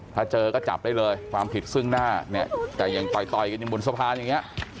ถ้าเจอก็จับได้เลยความผิดซึ่งหน้าเนี่ยแต่ยังต่อยต่อยกันอยู่บนสะพานอย่างนี้